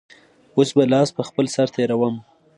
اوس به لاس په خپل سر تېروم.